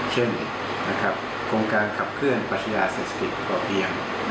เช่นโครงการขับเคลื่อนปัชญาเศรษฐกิจพอเพียง